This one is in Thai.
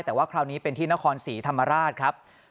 แต่ว่าคราวนี้เป็นที่นครศรีธรรมราชครับ